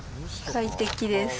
快適です。